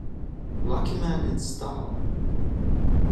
Luckyman in style.